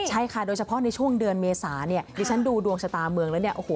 ใช่ค่ะโดยเฉพาะในช่วงเดือนเมษาที่ฉันดูดวงชะตาเมืองแล้ว